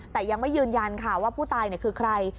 แต่ยังไม่ยืนยันค่ะว่าผู้ตายคือใคร